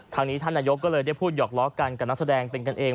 ทางนี้ท่านนายกก็เลยได้พูดหยอกล้อกันกับนักแสดงเป็นกันเอง